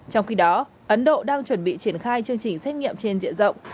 trong khi đó ấn độ đang chuẩn bị triển khai chương trình xét nghiệm trên diện rộng